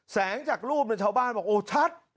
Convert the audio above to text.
จากรูปชาวบ้านบอกโอ้ชัด